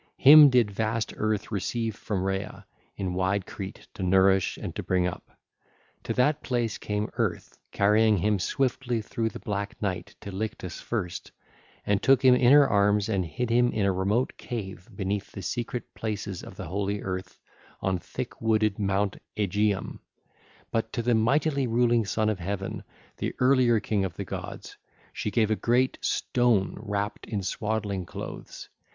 Him did vast Earth receive from Rhea in wide Crete to nourish and to bring up. Thither came Earth carrying him swiftly through the black night to Lyctus first, and took him in her arms and hid him in a remote cave beneath the secret places of the holy earth on thick wooded Mount Aegeum; but to the mightily ruling son of Heaven, the earlier king of the gods, she gave a great stone wrapped in swaddling clothes.